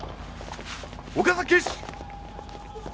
岡崎警視！